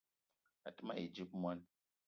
A te ma yi dzip moni